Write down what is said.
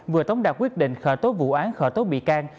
vừa tống đạt quyết định khởi tố vụ án khởi tố bị can